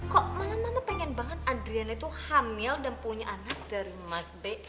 kok malah mama pengen banget adrian itu hamil dan punya anak dari mas b